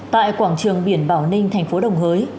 tại quảng trường biển bảo ninh thành phố đồng hới